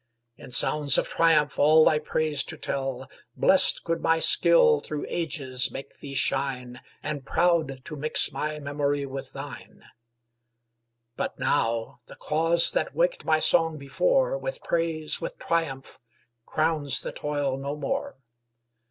In sounds of triumph all thy praise to tell; Blest could my skill through ages make thee shine, And proud to mix my memory with thine. But now the cause that waked my song before, With praise, with triumph, crowns the toil no more.